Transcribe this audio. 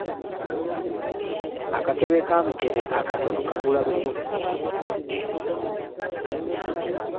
Akakebe kamukene akatono kagula lukumi.